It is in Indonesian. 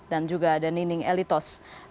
dan juga ada nining elitos